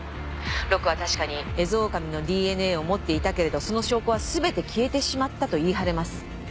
ロクは確かにエゾオオカミのＤＮＡを持っていたけれどその証拠はすべて消えてしまったと言い張れます。